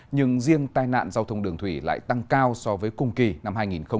nhưng riêng tai nạn giao thông đường thủy lại tăng cao so với cùng kỳ năm hai nghìn một mươi tám